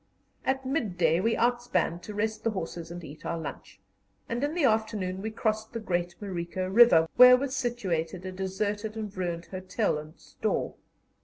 At midday we outspanned to rest the horses and eat our lunch, and in the afternoon we crossed the great Marico River, where was situated a deserted and ruined hotel and store.